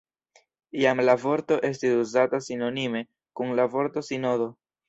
Iam la vorto estis uzata sinonime kun la vorto sinodo.